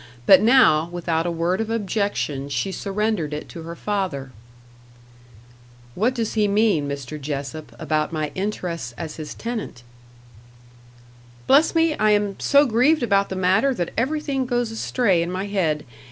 But now, without a word of objection, she surrendered it to her father. "What does he mean, Mr. Jessop, about my interests as his tenant?" "Bless me I am so grieved about the matter that everything goes astray in my head.